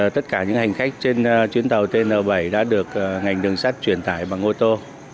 tất cả những hành khách trên chuyến tàu tn bảy đã được ngành đường sắt chuyển tải bằng ô tô